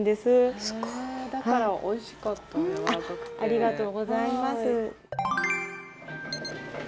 ありがとうございます。